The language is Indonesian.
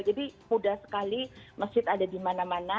jadi mudah sekali masjid ada di mana mana